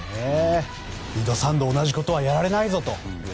二度三度、同じことはやられないと。